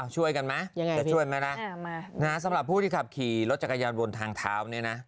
ช่วยกันไหมจะช่วยไหมนะสำหรับผู้ที่ขับขี่รถจักรยานบนทางเท้าเนี่ยนะ